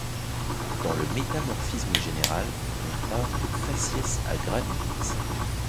Dans le métamorphisme général, on parle de faciès à granulite.